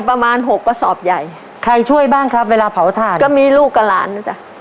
หกกระสอบใหญ่ใครช่วยบ้างครับเวลาเผาถ่านก็มีลูกกับหลานนะจ๊ะ